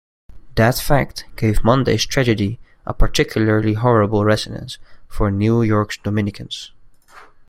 That fact gave Monday's tragedy a particularly horrible resonance for New York's Dominicans.